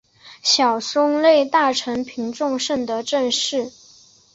小松内大臣平重盛的正室。